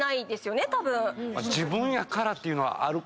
自分やからっていうのはあるかも。